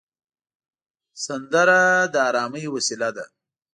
سندره د ارامۍ وسیله ده